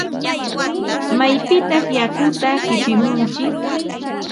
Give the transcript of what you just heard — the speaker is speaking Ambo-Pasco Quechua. ¿Maypitataq yakuta qipimuntsik?